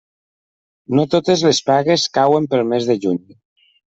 No totes les pagues cauen pel mes de juny.